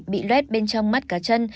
bị rét bên trong mắt cá chân